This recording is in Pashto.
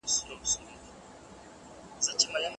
کارتونه د رایې له پاره څنګه کارول کېږي؟